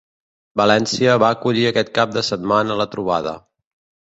València va acollir aquest cap de setmana la trobada